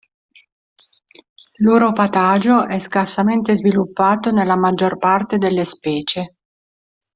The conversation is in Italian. L'uropatagio è scarsamente sviluppato nella maggior parte delle specie.